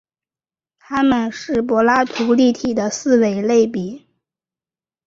它们是柏拉图立体的四维类比。